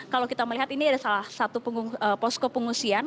kalau kita melihat ini adalah salah satu posko pengusian